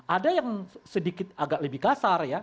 ada yang sedikit agak lebih kasar ya